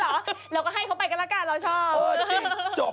เราก็ให้เขาไปกันละกันเราชอบ